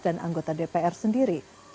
dan anggota dpr sendiri